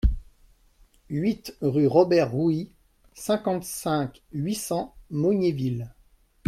huit rue Robert Rouy, cinquante-cinq, huit cents, Mognéville